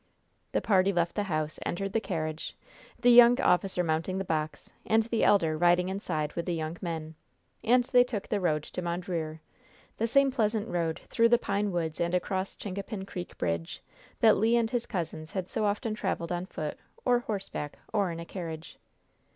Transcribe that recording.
The party left the house, entered the carriage, the young officer mounting the box, and the elder riding inside with the young men; and they took the road to Mondreer the same pleasant road through the pine woods and across Chincapin Creek Bridge, that Le and his cousins had so often traveled on foot, or horseback, or in a carriage.